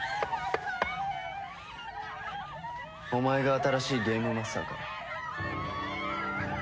お前が新しいゲームマスターか？